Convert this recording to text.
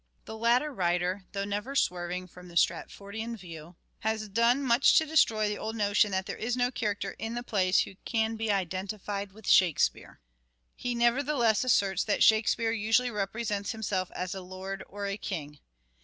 The latter writer, though never swerving from the Stratfordian view, has done much to destroy the old notion that there is no character in the plays who can be identified with Shakespeare. He nevertheless asserts that Shakespeare usually represents himself as a lord or a king.